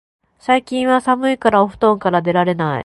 最近は寒いからお布団から出られない